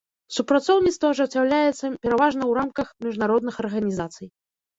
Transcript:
Супрацоўніцтва ажыццяўляецца пераважна ў рамках міжнародных арганізацый.